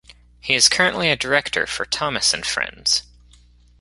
He is currently a director for "Thomas and Friends".